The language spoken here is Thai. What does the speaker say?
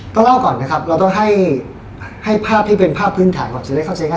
เล่าก่อนนะครับเราต้องให้ภาพที่เป็นภาพพื้นฐานก่อนจะได้เข้าใจง่าย